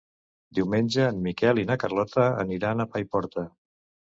Diumenge en Miquel i na Carlota aniran a Paiporta.